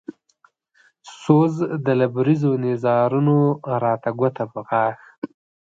سوز د لبرېزو نيزارونو راته ګوته په غاښ